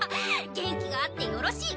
元気があってよろしい。